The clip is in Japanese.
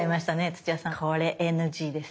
土屋さんこれＮＧです。